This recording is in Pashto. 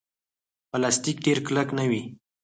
پلاستيک ډېر کلک نه وي.